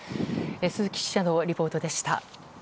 鈴木記者のリポートでした。